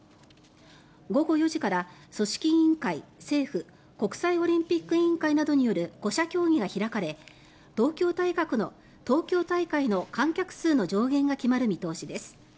午後４時から組織委員会、政府国際オリンピック委員会などによる５者協議が開かれ東京大会の観客数の上限が決まる見通しです。